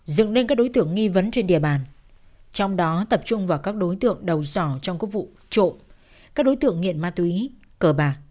dựng nên các đối tượng nghi vấn trên địa bàn trong đó tập trung vào các đối tượng đầu sỏ trong các vụ trộm các đối tượng nghiện ma túy cờ bạc